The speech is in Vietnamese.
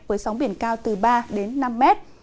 với sóng biển cao từ ba năm mét